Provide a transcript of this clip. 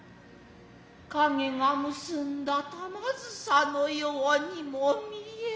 影が結んだ玉づさのやうにも見えた。